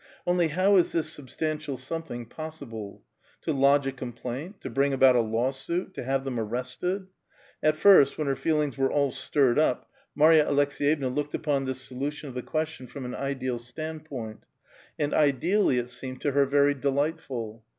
Only how is this substantfal something possi ble? To lodge a complaint, to bring about a lawsuit, to have them arrested ! At first, when her feelings were all stirred up, Marya Aleks6yevna looked upon this solution of the question from an ideal standpoint, and ideally it seemed 144 A VITAL QUESTION. to her very (Idiglitful.